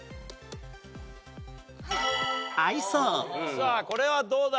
さあこれはどうだ？